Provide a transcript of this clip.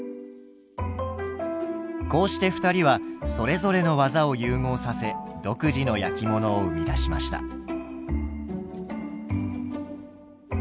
こうして２人はそれぞれの技を融合させ独自の焼き物を生み出しました。